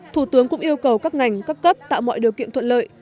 thủ tướng cũng yêu cầu các ngành các cấp tạo mọi điều kiện thuận lợi